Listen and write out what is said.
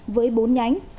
với bốn nhánh